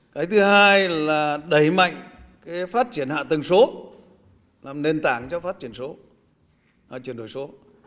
cái thứ hai là đẩy mạnh cái phát triển hạ tầng số làm nền tảng cho phát triển số